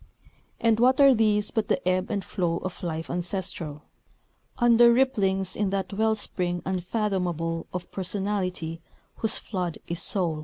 And what are these but the ebb and flow of life ancestral, under ripplings in that well spring unfathomable of personality whose flood is Soul.